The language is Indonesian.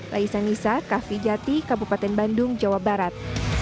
laisa nisa kah vijati kabupaten bandung jawa barat